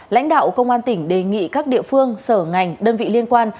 lãnh đạo công an tỉnh đề nghị các địa phương sở ngành đơn vị liên quan